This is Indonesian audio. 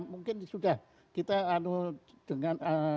mungkin sudah kita dengan